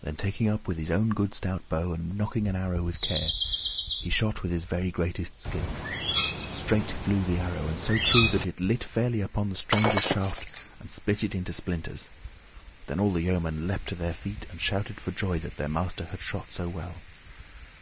Then taking up his own good stout bow and nocking an arrow with care, he shot with his very greatest skill. Straight flew the arrow, and so true that it lit fairly upon the stranger's shaft and split it into splinters. Then all the yeomen leaped to their feet and shouted for joy that their master had shot so well.